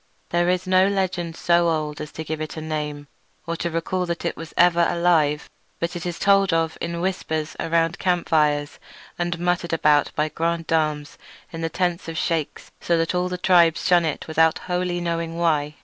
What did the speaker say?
There is no legend so old as to give it a name, or to recall that it was ever alive; but it is told of in whispers around campfires and muttered about by grandams in the tents of sheiks, so that all the tribes shun it without wholly knowing why.